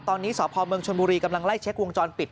ตอนนี้สพเมืองชนบุรีกำลังไล่เช็ควงจรปิด